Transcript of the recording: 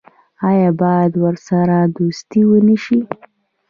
آیا باید ورسره دوستي ونشي؟